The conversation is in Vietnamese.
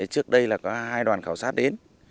trước đây là có hai đoàn khảo sát đến